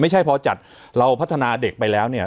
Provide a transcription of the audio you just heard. ไม่ใช่พอจัดเราพัฒนาเด็กไปแล้วเนี่ย